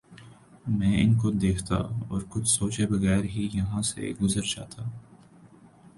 میں ان کو دیکھتا اور کچھ سوچے بغیر ہی یہاں سے گزر جاتا